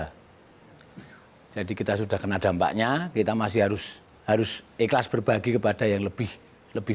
hai jadi kita sudah kena dampaknya kita masih harus harus ikhlas berbagi kepada yang lebih lebih